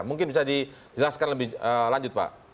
mungkin bisa dijelaskan lebih lanjut pak